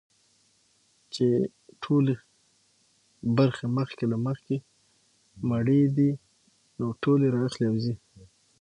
چي ټولي برخي مخکي له مخکي مړې دي نو ټولي را اخلي او ځي.